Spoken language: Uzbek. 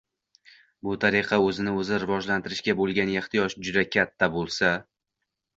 Bu tariqa o‘zini o‘zi rivojlantirishga bo‘lgan ehtiyoj juda katta bo‘lsa